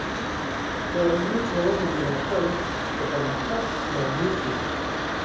د علمي څیړنو ملاتړ د پرمختګ لامل کیږي.